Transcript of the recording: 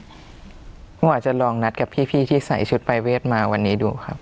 ผมอาจจะลองนัดกับพี่ที่ใส่ชุดปรายเวทมาวันนี้ดูครับ